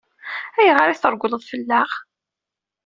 Ayɣer i treggleḍ fell-aɣ?